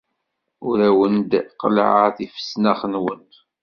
Ur awen-d-qellɛeɣ tifesnax-nwen.